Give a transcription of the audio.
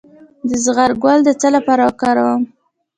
د زغر ګل د څه لپاره وکاروم؟